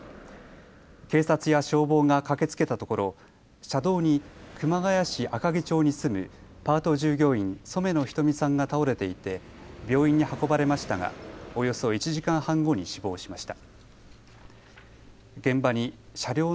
警察や消防が駆けつけたところ、車道に熊谷市赤城町に住むパート従業員、染野瞳さんが倒れていて病院に運ばれましたがおよそ１時間半後に死亡しました。